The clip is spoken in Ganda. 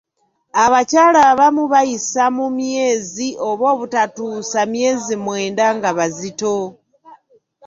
Abakyala abamu bayisa mu myezi oba obutatuusa myezi mwenda nga bazito.